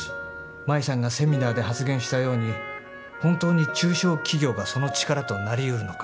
舞さんがセミナーで発言したように本当に中小企業がその力となりうるのか。